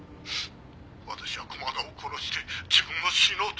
私は駒田を殺して自分も死のうと」